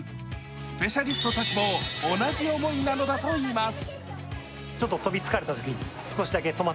スペシャリストたちも同じ思いなのだといいます。